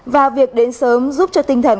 và việc đến sớm giúp cho tinh thần